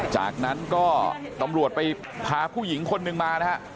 จากนั้นก็ตำรวจไปพาผู้หญิงคนนึงมานะฮะ